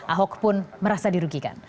ahok pun merasa dirugikan